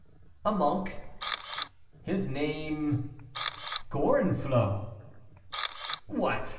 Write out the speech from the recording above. "A monk." "His name?" "Gorenflot." "What!